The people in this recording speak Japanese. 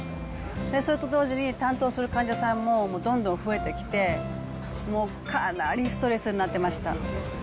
それと同時に担当する患者さんもどんどん増えてきて、もうかなりストレスになってました。